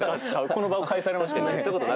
この場を介されましたよね。